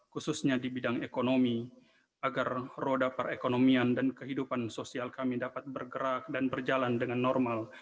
khususnya di bidang ekonomi agar roda perekonomian dan kehidupan sosial kami dapat bergerak dan berjalan dengan normal